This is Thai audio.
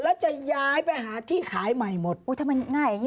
แล้วจะย้ายไปหาที่ขายใหม่หมดอุ้ยทำไมง่ายอย่างงี